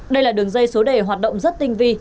đây là đường dây số đề hoạt động rất tinh vi